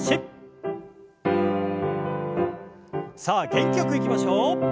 さあ元気よくいきましょう。